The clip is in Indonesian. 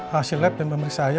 hasil lab dan pemeriksaannya